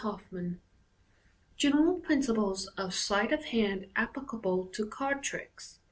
n CHAPTER 11. General Principles of Sleight of Hand applicable to Card Tricks.